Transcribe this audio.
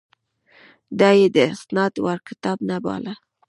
دا یې د استناد وړ کتاب نه باله.